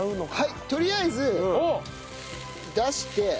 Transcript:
はいとりあえず出して。